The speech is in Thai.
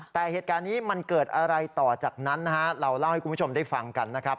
แต่เหตุการณ์นี้มันเกิดอะไรต่อจากนั้นนะฮะเราเล่าให้คุณผู้ชมได้ฟังกันนะครับ